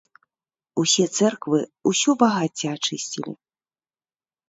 Усе цэрквы, усё багацце ачысцілі.